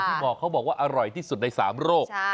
ที่บอกเขาบอกว่าอร่อยที่สุดใน๓โรค